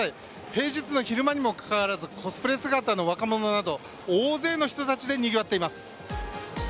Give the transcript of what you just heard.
平日の昼間にもかかわらずコスプレ姿の若者など大勢の人たちでにぎわっています。